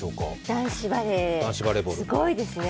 男子バレーすごいですね。